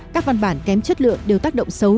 các văn bản kém chất lượng đều tác động xấu